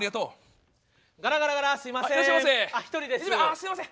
すいません！